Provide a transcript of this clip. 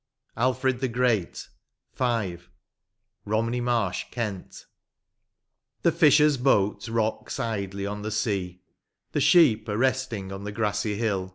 105 LII. ALFRED THE GREAT. — V. ROMNEY MARSH, KENT. The fisher's boat rooks idly on the sea. The sheep are resting on the grassy hill.